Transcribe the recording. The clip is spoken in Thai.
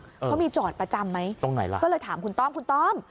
เขามีจอดประจำไหมตรงไหนล่ะก็เลยถามคุณต้อมคุณต้อม